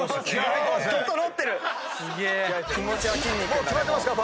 もう決まってますか？